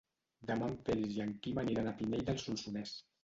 Demà en Peris i en Quim aniran a Pinell de Solsonès.